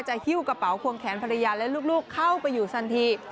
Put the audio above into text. หิ้วกระเป๋าควงแขนภรรยาและลูกเข้าไปอยู่ทันที